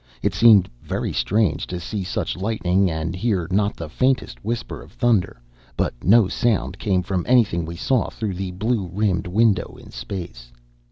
It seemed very strange to see such lightning and hear not the faintest whisper of thunder but no sound came from anything we saw through the blue rimmed window in space.